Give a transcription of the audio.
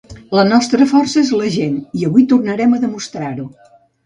La nostra força és la gent i avui tornem a demostrar-ho.